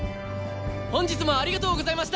本日もありがとうございました！